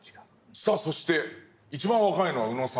さあそして一番若いのは宇野さん。